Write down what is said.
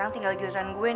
tapi nggak ada racunnya kan